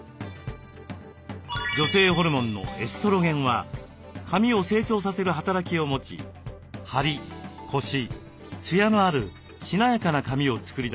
女性ホルモンのエストロゲンは髪を成長させる働きを持ちハリコシツヤのあるしなやかな髪を作り出します。